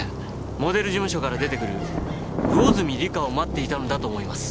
モデル事務所から出て来る魚住リカを待っていたのだと思います。